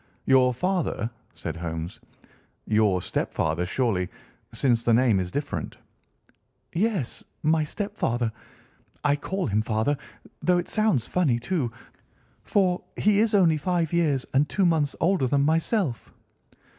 "Your father," said Holmes, "your stepfather, surely, since the name is different." "Yes, my stepfather. I call him father, though it sounds funny, too, for he is only five years and two months older than myself."